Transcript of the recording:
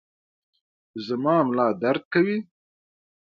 زما ملا درد کوي